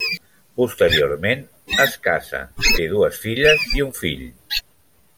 Posteriorment es casa, té dues filles i un fill.